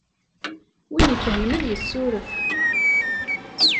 Win ifhmen ad yessuref.